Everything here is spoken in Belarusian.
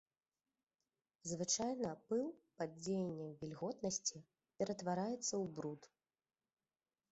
Звычайна пыл пад дзеяннем вільготнасці ператвараецца ў бруд.